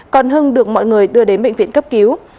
còn hưng được mọi người đưa đến bệnh viện cấp cứu